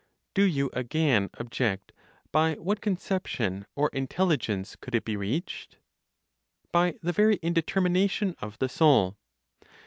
Do you again object, by what conception or intelligence could it be reached? By the very indetermination of the soul.